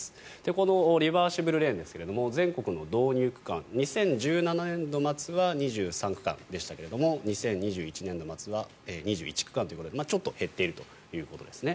このリバーシブルレーンですが全国の導入区間２０１７年度末は２３区間でしたが２０２１年度末は２１区間ということでちょっと減っているということです。